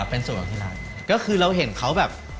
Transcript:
เป็นส่วนของที่ร้าน